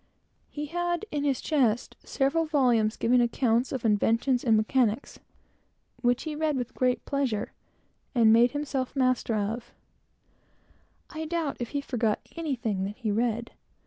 He had, in his chest, several volumes giving accounts of inventions in mechanics, which he read with great pleasure, and made himself master of. I doubt if he ever forgot anything that he read.